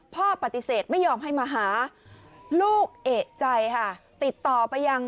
พ่อปฏิเสธไม่ยอมให้มาหาลูกเอกใจค่ะติดต่อไปยัง